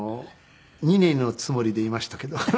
２年のつもりでいましたけど。